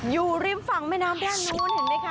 อยู่ริมฝั่งแม่น้ำด้านนู้นเห็นไหมคะ